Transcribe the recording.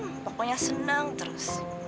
hmm pokoknya senang terus